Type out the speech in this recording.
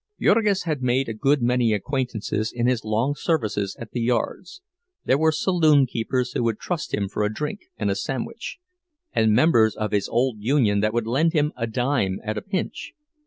Jurgis had made a good many acquaintances in his long services at the yards—there were saloonkeepers who would trust him for a drink and a sandwich, and members of his old union who would lend him a dime at a pinch.